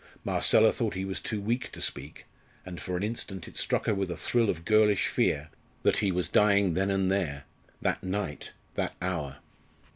Marcella thought he was too weak to speak, and for an instant it struck her with a thrill of girlish fear that he was dying then and there that night that hour.